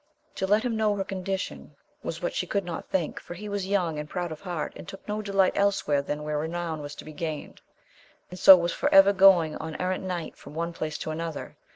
To let him know her condition, was what she could not think, for he was young and proud of heart, and took lio delight elsewhere than where renown was to be gained, and so was for ever going an errant knight from one place to another.